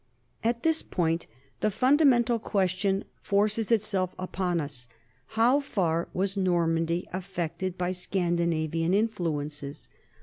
At this point the fundamental question forces itself upon us, how far was Normandy affected by Scandi navian influences?